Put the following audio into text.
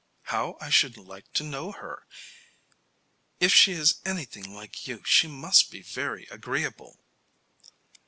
How I should like to know her. If she is anything like you she must be very agreeable."